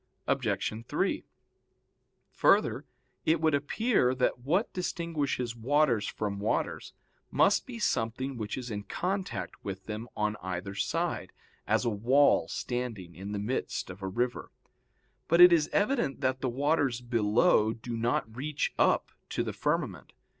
Obj. 3: Further, it would appear that what distinguishes waters from waters must be something which is in contact with them on either side, as a wall standing in the midst of a river. But it is evident that the waters below do not reach up to the firmament.